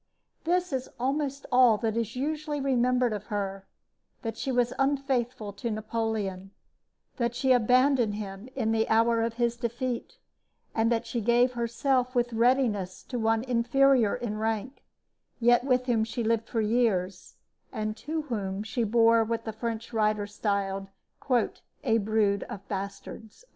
This is almost all that is usually remembered of her that she was unfaithful to Napoleon, that she abandoned him in the hour of his defeat, and that she gave herself with readiness to one inferior in rank, yet with whom she lived for years, and to whom she bore what a French writer styled "a brood of bastards."